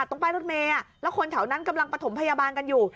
ตรงป้ายรถเมย์แล้วคนแถวนั้นกำลังประถมพยาบาลกันอยู่